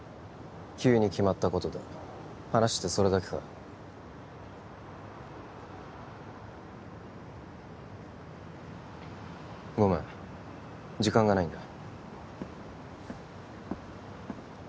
急に決まったことだ話ってそれだけかごめん時間がないんだ